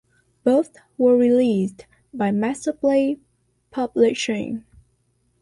Both were released by Masterplay Publishing.